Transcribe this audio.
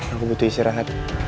aku butuh istirahat